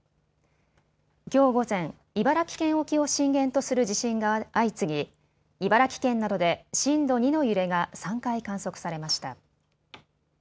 きょう午前、茨城県沖を震源とする地震が相次ぎ茨城県などで震度２の揺れが３回観測されました。